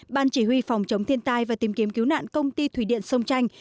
ban chỉ huy phòng chống thiên tai và tìm kiếm cứu nạn công ty thủy điện sông tranh